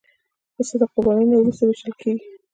پسه د قربانۍ نه وروسته وېشل کېږي.